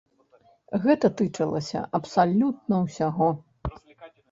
Гэта тычылася абсалютна ўсяго.